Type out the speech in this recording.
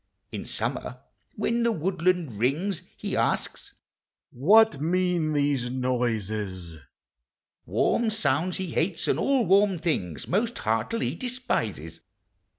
In summer when the woodland rings, He asks " What mean these noises? " Warm sounds he hates and all warm things Most heartily despises.